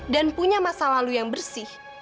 dan punya masa lalu yang bersih